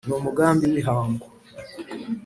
N‘umugambi w’ihangu